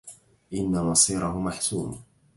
إن مصيره محسوم.